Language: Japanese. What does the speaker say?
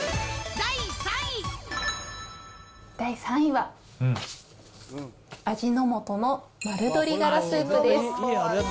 第３位は、味の素の丸鶏がらスープです。